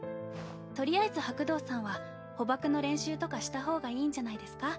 とりあえず白道さんは捕縛の練習とかした方がいいんじゃないですか？